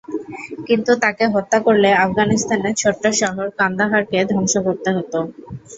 কিন্তু তাঁকে হত্যা করলে আফগানিস্তানের ছোট্ট শহর কান্দাহারকে ধ্বংস করতে হতো।